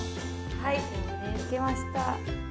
はいできました。